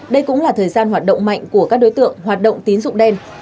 đây cũng là thời gian hoạt động mạnh của các đối tượng hoạt động tín dụng đen